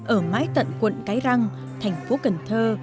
ở mái tận quận cái răng thành phố cần thơ